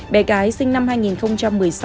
bè gái sinh năm hai nghìn một mươi sáu